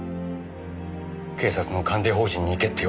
警察の関連法人に行けって言われた。